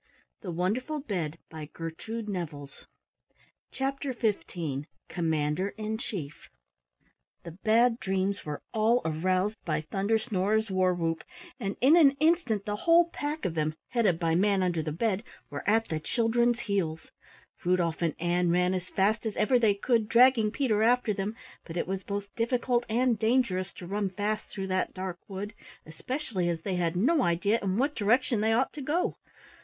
"Run for your lives!" CHAPTER XV COMMANDER IN CHIEF The Bad Dreams were all aroused by Thunder snorer's war whoop, and in an instant the whole pack of them, headed by Manunderthebed, were at the children's heels. Rudolf and Ann ran as fast as ever they could, dragging Peter after them, but it was both difficult and dangerous to run fast through that dark wood, especially as they had no idea in what direction they ought to go.